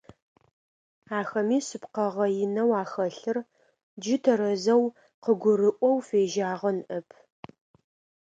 Ахэми шъыпкъэгъэ инэу ахэлъыр джы тэрэзэу къыгурыӀоу фежьагъэ ныӀэп.